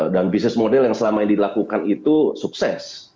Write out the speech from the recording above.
dan bisnis model yang selama ini dilakukan itu sukses